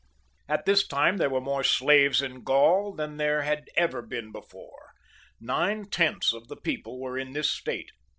At this time there were more slaves in Gaul than there had ever been before ; nine tenths of the people were in this state.